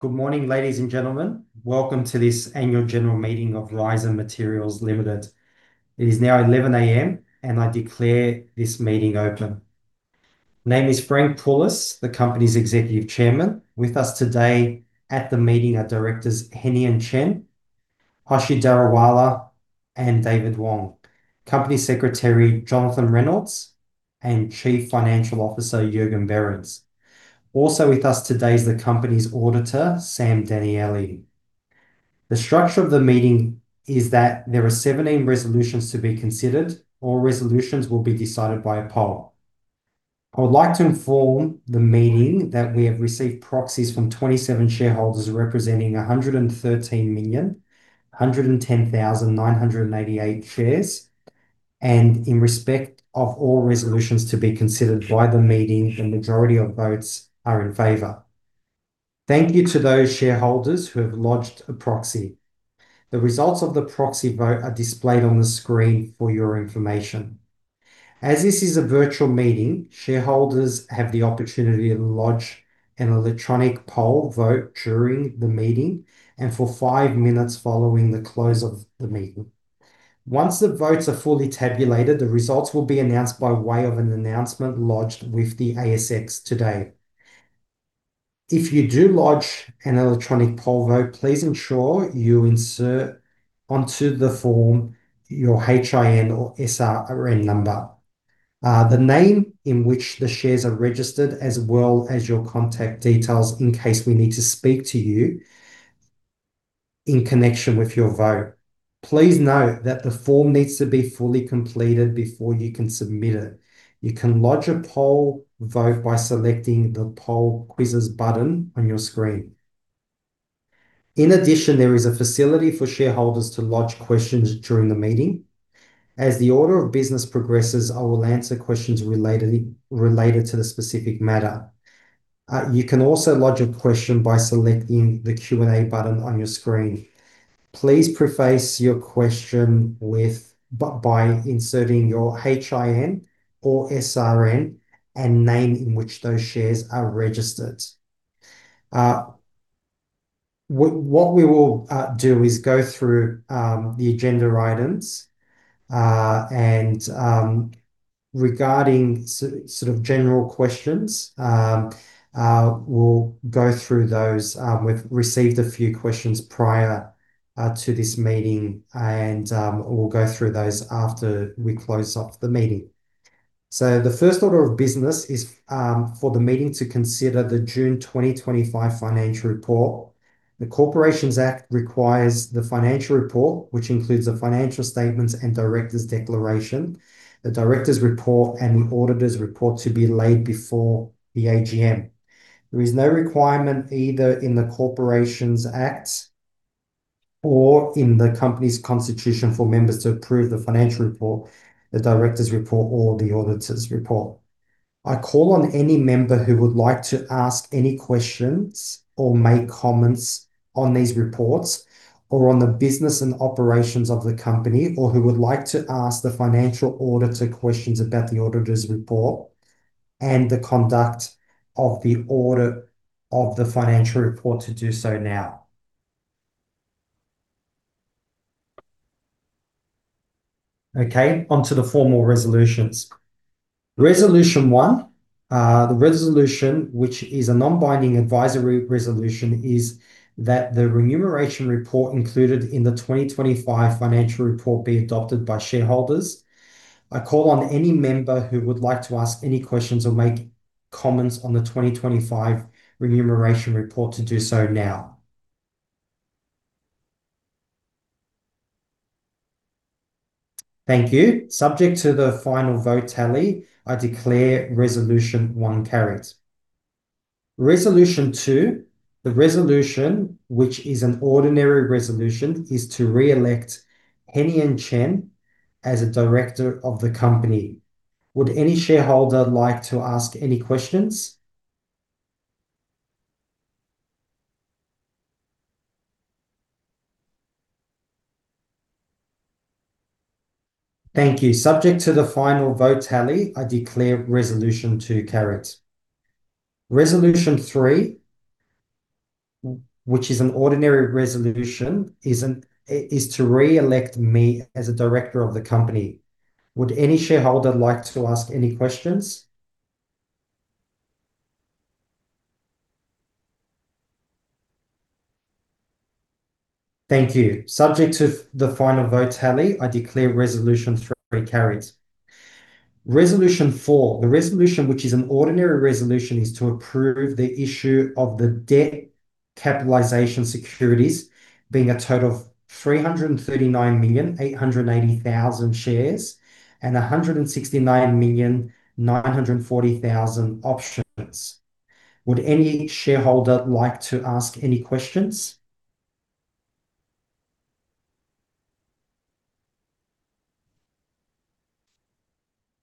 Good morning, ladies and gentlemen. Welcome to this annual general meeting of Ryzon Materials Limited. It is now 11:00 A.M., and I declare this meeting open. My name is Frank Poullas, the Company's Executive Chairman. With us today at the meeting are Directors Henian Chen, Hoshi Daruwalla, and David Wang, Company Secretary Jonathan Reynolds, and Chief Financial Officer Jurgen Behrens. Also with us today is the Company's Auditor, Sam Daniele. The structure of the meeting is that there are 17 resolutions to be considered, and all resolutions will be decided by a poll. I would like to inform the meeting that we have received proxies from 27 shareholders representing 113,110,988 shares, and in respect of all resolutions to be considered by the meeting, the majority of votes are in favor. Thank you to those shareholders who have lodged a proxy. The results of the proxy vote are displayed on the screen for your information. As this is a virtual meeting, shareholders have the opportunity to lodge an electronic poll vote during the meeting and for five minutes following the close of the meeting. Once the votes are fully tabulated, the results will be announced by way of an announcement lodged with the ASX today. If you do lodge an electronic poll vote, please ensure you insert onto the form your HIN or SRN number, the name in which the shares are registered, as well as your contact details in case we need to speak to you in connection with your vote. Please note that the form needs to be fully completed before you can submit it. You can lodge a poll vote by selecting the Poll Quizzes button on your screen. In addition, there is a facility for shareholders to lodge questions during the meeting. As the order of business progresses, I will answer questions related to the specific matter. You can also lodge a question by selecting the Q and A button on your screen. Please preface your question by inserting your HIN or SRN and name in which those shares are registered. What we will do is go through the agenda items, and regarding sort of general questions, we'll go through those. We've received a few questions prior to this meeting, and we'll go through those after we close up the meeting. The first order of business is for the meeting to consider the June 2025 financial report. The Corporations Act requires the financial report, which includes the financial statements and director's declaration, the director's report, and the auditor's report to be laid before the AGM. There is no requirement either in the Corporations Act or in the Company's Constitution for members to approve the financial report, the director's report, or the auditor's report. I call on any member who would like to ask any questions or make comments on these reports or on the business and operations of the company, or who would like to ask the financial auditor questions about the auditor's report and the conduct of the audit of the financial report, to do so now. Okay, onto the formal resolutions. Resolution One, the resolution, which is a non-binding advisory resolution, is that the remuneration report included in the 2025 financial report be adopted by shareholders. I call on any member who would like to ask any questions or make comments on the 2025 remuneration report to do so now. Thank you. Subject to the final vote tally, I declare Resolution One carried. Resolution Two, the resolution, which is an ordinary resolution, is to re-elect Henian Chen as a director of the company. Would any shareholder like to ask any questions? Thank you. Subject to the final vote tally, I declare Resolution Two carried. Resolution Three, which is an ordinary resolution, is to re-elect me as a director of the company. Would any shareholder like to ask any questions? Thank you. Subject to the final vote tally, I declare Resolution Three carried. Resolution Four, the resolution, which is an ordinary resolution, is to approve the issue of the debt capitalisation securities being a total of 339,880,000 shares and 169,940,000 options. Would any shareholder like to ask any questions?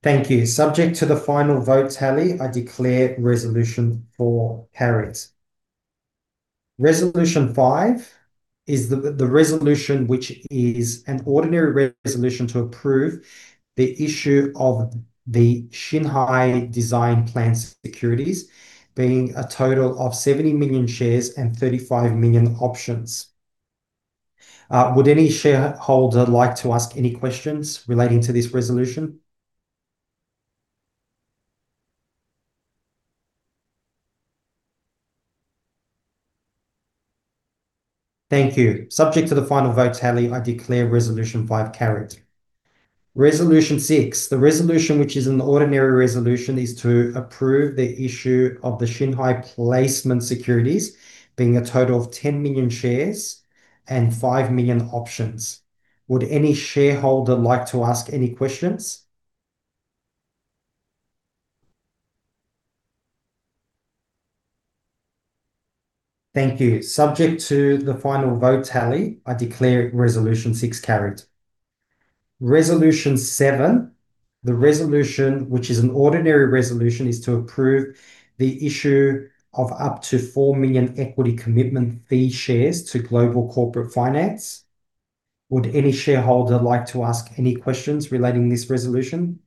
Thank you. Subject to the final vote tally, I declare Resolution Four carried. Resolution Five is the resolution, which is an ordinary resolution, to approve the issue of the Shanghai Design Plant securities being a total of 70 million shares and 35 million options. Would any shareholder like to ask any questions relating to this resolution? Thank you. Subject to the final vote tally, I declare Resolution Five carried. Resolution Six, the resolution, which is an ordinary resolution, is to approve the issue of the Shanghai Placement securities being a total of 10 million shares and 5 million options. Would any shareholder like to ask any questions? Thank you. Subject to the final vote tally, I declare Resolution Six carried. Resolution Seven, the resolution, which is an ordinary resolution, is to approve the issue of up to 4 million equity commitment fee shares to Global Corporate Finance. Would any shareholder like to ask any questions relating to this resolution?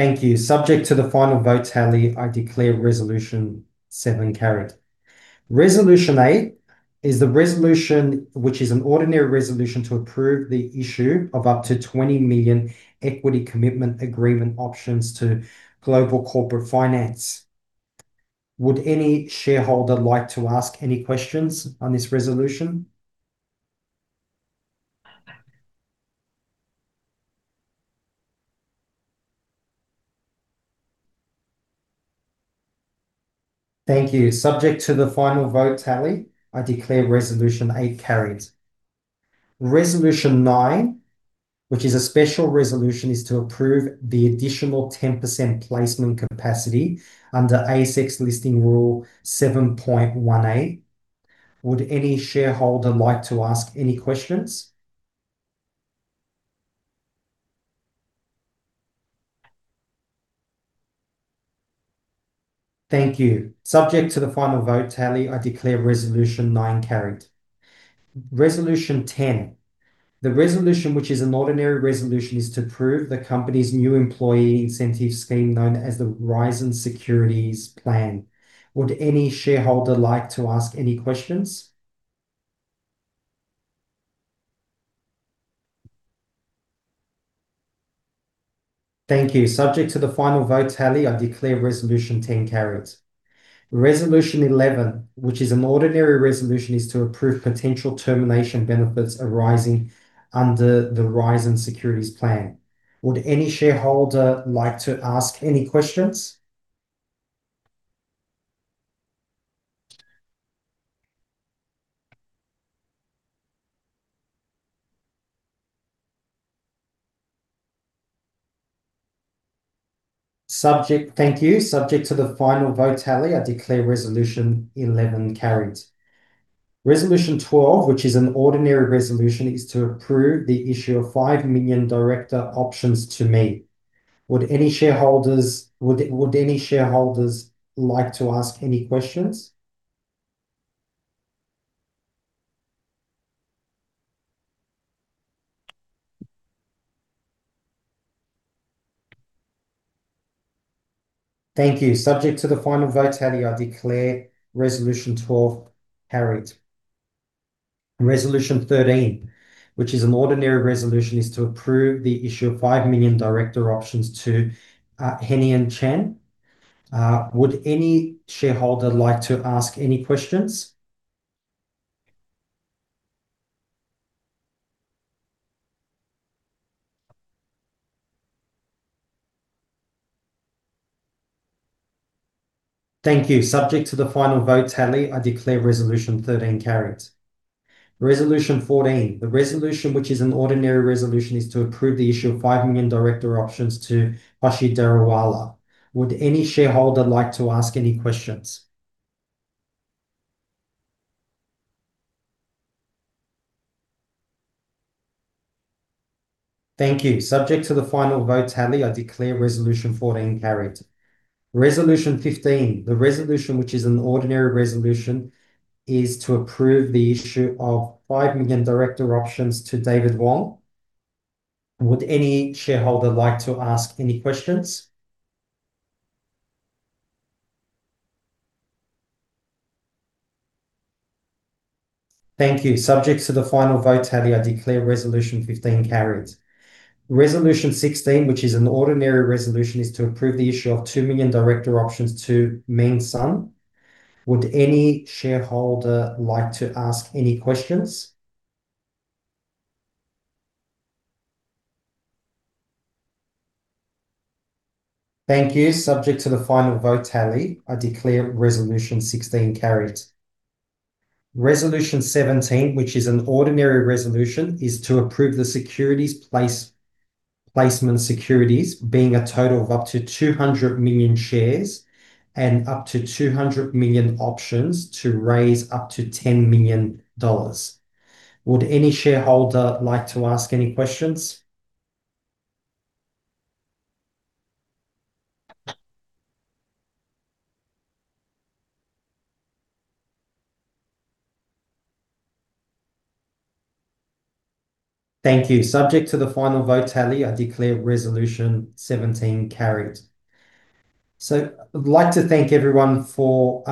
Thank you. Subject to the final vote tally, I declare Resolution Seven carried. Resolution Eight is the resolution, which is an ordinary resolution, to approve the issue of up to 20 million equity commitment agreement options to Global Corporate Finance. Would any shareholder like to ask any questions on this resolution? Thank you. Subject to the final vote tally, I declare Resolution Eight carried. Resolution Nine, which is a special resolution, is to approve the additional 10% placement capacity under ASX Listing Rule 7.18. Would any shareholder like to ask any questions? Thank you. Subject to the final vote tally, I declare Resolution Nine carried. Resolution 10, the resolution, which is an ordinary resolution, is to approve the company's new employee incentive scheme known as the Ryzon Securities Plan. Would any shareholder like to ask any questions? Thank you. Subject to the final vote tally, I declare Resolution 10 carried. Resolution 11, which is an ordinary resolution, is to approve potential termination benefits arising under the Ryzon Securities Plan. Would any shareholder like to ask any questions? Thank you. Subject to the final vote tally, I declare Resolution 11 carried. Resolution 12, which is an ordinary resolution, is to approve the issue of 5 million director options to me. Would any shareholders like to ask any questions? Thank you. Subject to the final vote tally, I declare Resolution 12 carried. Resolution 13, which is an ordinary resolution, is to approve the issue of 5 million director options to Henian Chen. Would any shareholder like to ask any questions? Thank you. Subject to the final vote tally, I declare Resolution 13 carried. Resolution 14, which is an ordinary resolution, is to approve the issue of 5 million director options to Hoshi Daruwalla. Would any shareholder like to ask any questions? Thank you. Subject to the final vote tally, I declare Resolution 14 carried. Resolution 15, the resolution, which is an ordinary resolution, is to approve the issue of 5 million director options to David Wang. Would any shareholder like to ask any questions? Thank you. Subject to the final vote tally, I declare Resolution 15 carried. Resolution 16, which is an ordinary resolution, is to approve the issue of 2 million director options to Meng Sun. Would any shareholder like to ask any questions? Thank you. Subject to the final vote tally, I declare Resolution 16 carried. Resolution 17, which is an ordinary resolution, is to approve the securities placement securities being a total of up to 200 million shares and up to 200 million options to raise up to 10 million dollars. Would any shareholder like to ask any questions? Thank you. Subject to the final vote tally, I declare Resolution 17 carried. I would like to thank everyone for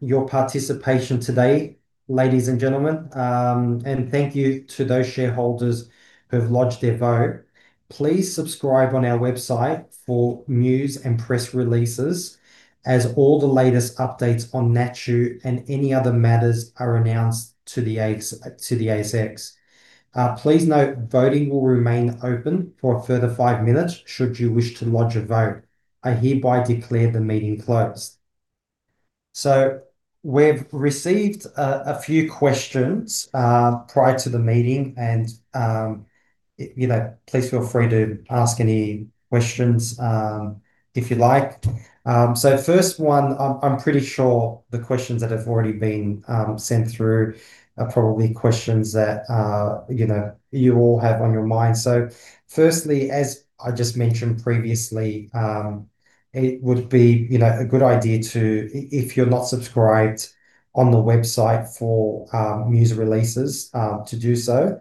your participation today, ladies and gentlemen, and thank you to those shareholders who have lodged their vote. Please subscribe on our website for news and press releases as all the latest updates on Nachu and any other matters are announced to the ASX. Please note voting will remain open for a further five minutes should you wish to lodge a vote. I hereby declare the meeting closed. We have received a few questions prior to the meeting, and please feel free to ask any questions if you like. The first one, I am pretty sure the questions that have already been sent through are probably questions that you all have on your mind. Firstly, as I just mentioned previously, it would be a good idea to, if you're not subscribed on the website for news releases, to do so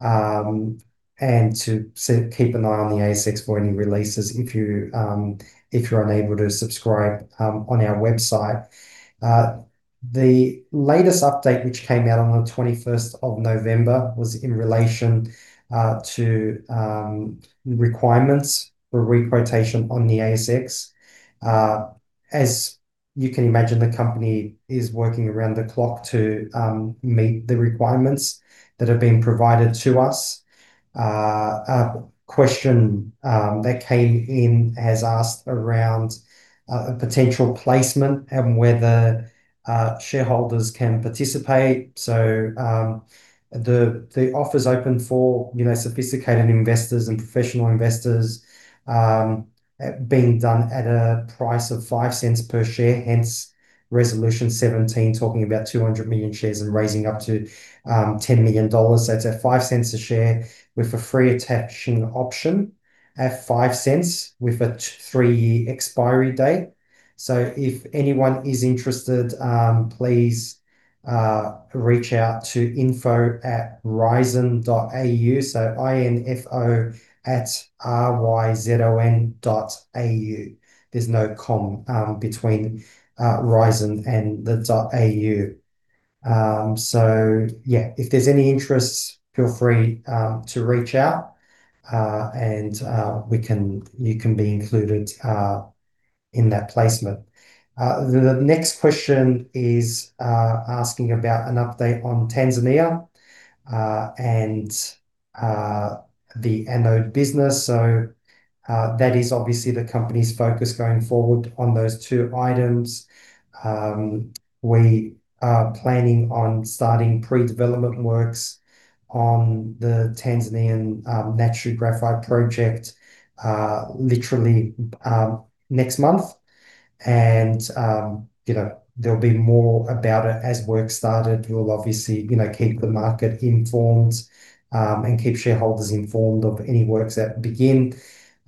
and to keep an eye on the ASX boarding releases if you're unable to subscribe on our website. The latest update, which came out on the 21st of November, was in relation to requirements for requotation on the ASX. As you can imagine, the company is working around the clock to meet the requirements that have been provided to us. A question that came in has asked around a potential placement and whether shareholders can participate. The offer is open for sophisticated investors and professional investors being done at a price of 0.05 per share. Hence, Resolution 17 talking about 200 million shares and raising up to 10 million dollars. It is at 5 cents a share with a free attaching option at 5 cents with a three-year expiry date. If anyone is interested, please reach out to info@ryzon.au. That is info@ryzon.au. There is no com between ryzon and the .au. If there is any interest, feel free to reach out and you can be included in that placement. The next question is asking about an update on Tanzania and the Anode business. That is obviously the company's focus going forward on those two items. We are planning on starting pre-development works on the Tanzanian Nachu Graphite Project literally next month. There will be more about it as work starts. We will obviously keep the market informed and keep shareholders informed of any works that begin.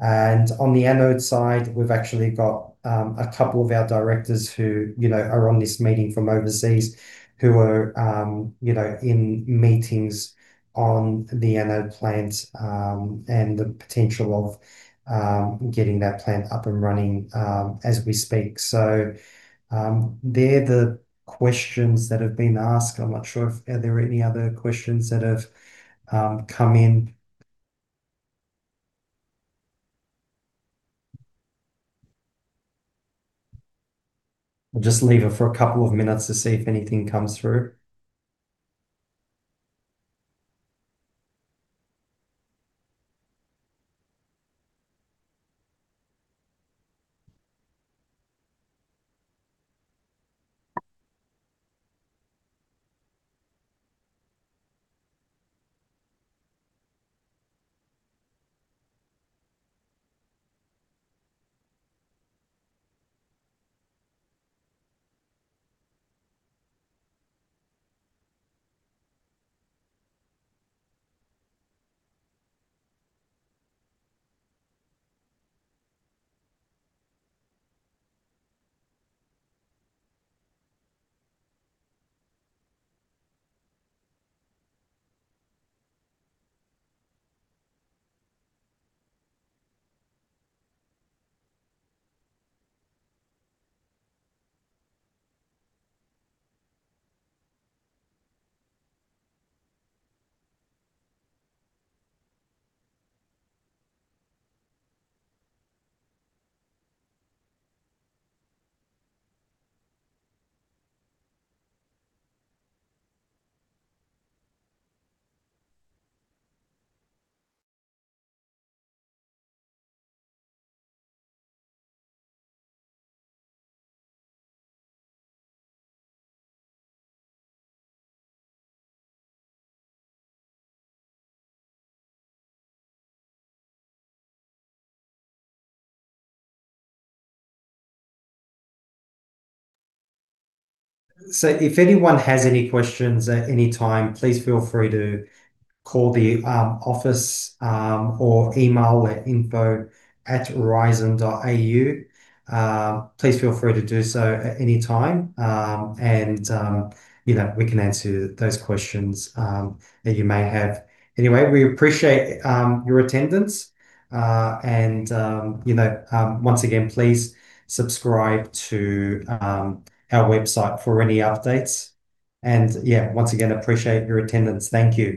On the Anode side, we've actually got a couple of our directors who are on this meeting from overseas who are in meetings on the Anode plant and the potential of getting that plant up and running as we speak. They're the questions that have been asked. I'm not sure if there are any other questions that have come in. I'll just leave it for a couple of minutes to see if anything comes through. If anyone has any questions at any time, please feel free to call the office or email at info@ryzon.au. Please feel free to do so at any time, and we can answer those questions that you may have. Anyway, we appreciate your attendance. Once again, please subscribe to our website for any updates. Once again, appreciate your attendance. Thank you.